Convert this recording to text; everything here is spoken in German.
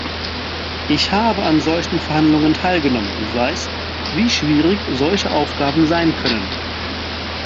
Ich habe an solchen Verhandlungen teilgenommen und weiß, wie schwierig solche Aufgaben sein können.